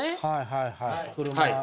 はいはいはい。